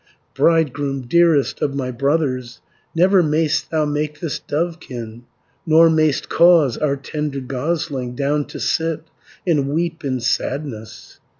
"Bridegroom, dearest of my brothers, Never may'st thou make this dovekin, Nor may'st cause our tender gosling, Down to sit, and weep in sadness.